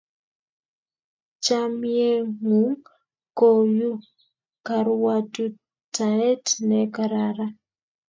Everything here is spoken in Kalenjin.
Chamyengung ko u karwatutaet ne kararan